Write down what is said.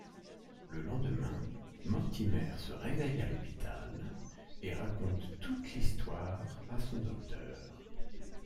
Le lendemain, Mortimer se réveille à l'hôpital et raconte toute l'histoire à son docteur.